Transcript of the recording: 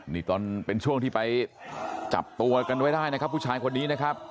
นี่ตอนเป็นช่วงที่ไปจับตัวกันไว้ได้นะครับผู้ชายคนนี้นะครับ